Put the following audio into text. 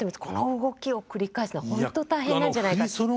この動きを繰り返すのは本当大変なんじゃないかって。